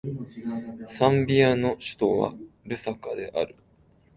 ザンビアの首都はルサカである